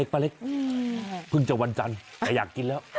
ป้าเล็กเพิ่งจะวันจันทร์แต่อยากกินแล้ว